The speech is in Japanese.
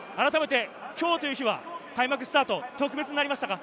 今日という日は開幕スタート、特別になりましたか？